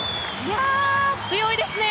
強いですね！